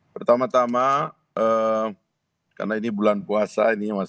pertama tama karena ini bulan puasa